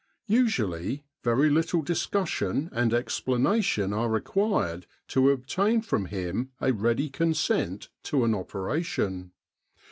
Usually, very little dis cussion and explanation are required to obtain from him a ready consent to an operation.